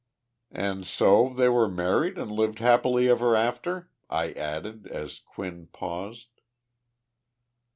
"And so they were married and lived happily ever after?" I added, as Quinn paused.